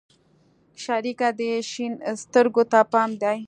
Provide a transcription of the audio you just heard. شريکه دې شين سترگو ته پام دى؟